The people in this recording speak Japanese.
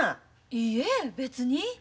いいえ別に。